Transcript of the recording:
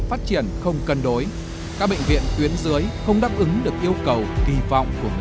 phát triển không cân đối các bệnh viện tuyến dưới không đáp ứng được yêu cầu kỳ vọng của người